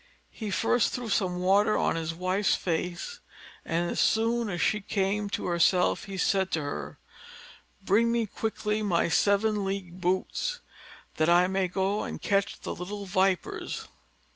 He first threw some water on his wife's face; and, as soon as she came to herself, he said to her: "Bring me quickly my seven league boots, that I may go and catch the little vipers."